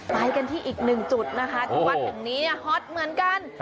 ไปกันที่อีกหนึ่งจุดนะคะที่วัดแห่งนี้ฮอตเหมือนกัน